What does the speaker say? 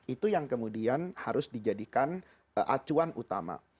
itu yang kemudian harus dijadikan acuan utama